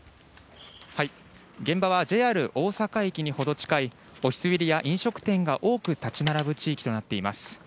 現場はＪＲ大阪駅にほど近い、オフィスビルや飲食店が多く建ち並ぶ地域となっています。